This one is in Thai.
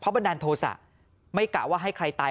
บันดาลโทษะไม่กะว่าให้ใครตาย